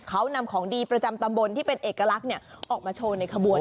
เขานำของดีประจำตำบลที่เป็นเอกลักษณ์ออกมาโชว์ในขบวน